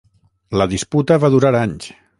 La disputa va durar anys.